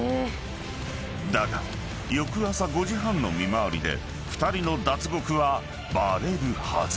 ［だが翌朝５時半の見回りで２人の脱獄はバレるはず］